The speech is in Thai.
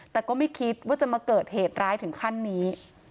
แต่ก็ไม่คิดว่าจะมาเกิดเหตุร้ายถึงขั้นนี้